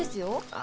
あ。